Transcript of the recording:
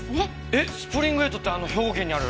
えっスプリング８ってあの兵庫県にある？